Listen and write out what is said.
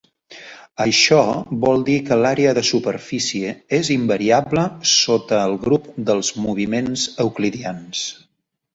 Això vol dir que l'àrea de superfície és invariable sota el grup dels moviments euclidians.